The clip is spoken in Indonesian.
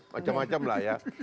macam macam lah ya